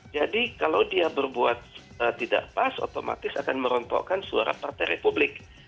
jadi kalau dia berbuat tidak pas otomatis akan merontokkan suara partai republik